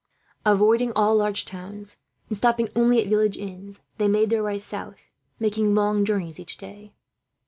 Avoiding all large towns, and stopping only at village inns, they made their way south; making long journeys each day.